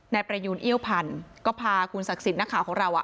นายประยูนเอี้ยวพันธุ์ก็พาคุณศักดิ์สิทธิ์นักข่าวของเราอ่ะ